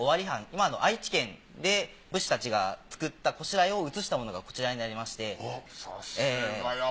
今の愛知県で武士たちが作った拵をうつしたものがこちらになりまして。